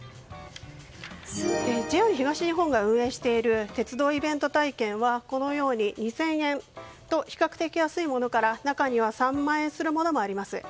ＪＲ東日本が運営している鉄道イベント体験はこのように２０００円と比較的安いものから中には３万円するものもあります。